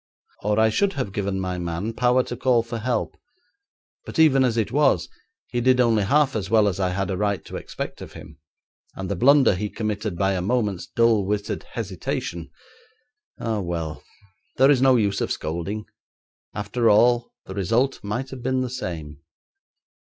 Or I should have given my man power to call for help, but even as it was he did only half as well as I had a right to expect of him, and the blunder he committed by a moment's dull witted hesitation ah, well! there is no use of scolding. After all the result might have been the same.